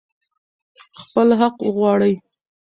خپل حق وغواړئ.